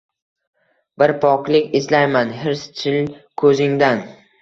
bir poklik izlayman hirschil ko’zingdan.